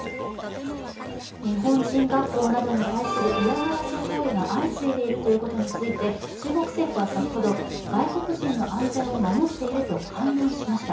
日本人学校などに対する嫌がらせ行為が相次いでいるということについて中国政府は先ほど、外国人の安全を守っていると反論しました。